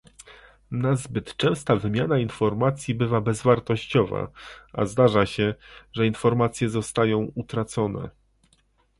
Nazbyt często wymiana informacji bywa bezwartościowa, a zdarza się, że informacje zostają utracone